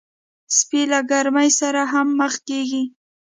سپي له ګرمۍ سره هم مخ کېږي.